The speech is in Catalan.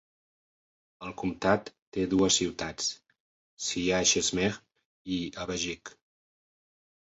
El comtat té dues ciutats: Siah Cheshmeh i Avajiq.